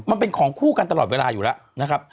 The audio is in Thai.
มันเป็นของคู่กันตลอดเวลาอยู่แล้วนะครับ